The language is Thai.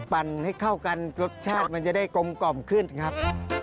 ปั่นให้เข้ากันรสชาติมันจะได้กลมกล่อมขึ้นครับ